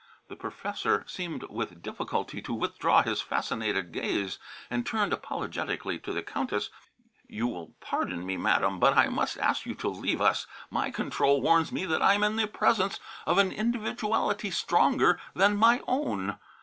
The professor seemed with difficulty to withdraw his fascinated gaze, and turned apologetically to the Countess. "You will pardon me, Madam, but I must ask you to leave us. My control warns me that I am in the presence of an individuality stronger than my own.